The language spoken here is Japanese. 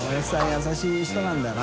優しい人なんだな。